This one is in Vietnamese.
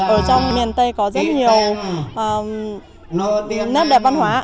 ở trong miền tây có rất nhiều nét đẹp văn hóa